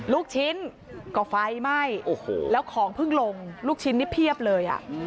ลูกชิ้นก็ไฟไหม้แล้วของเพิ่งลงลูกชิ้นนี่เพียบเลย